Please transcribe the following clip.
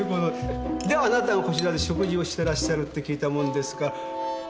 であなたがこちらで食事をしてらっしゃるって聞いたもんですから。